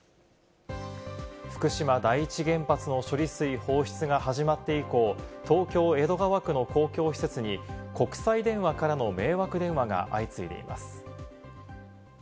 福島第一原発の処理水放出が始まって以降、東京・江戸川区の公共施設に、国際電話からの迷惑電話が相次いでいます。